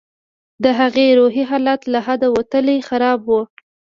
د هغې روحي حالت له حده وتلى خراب و.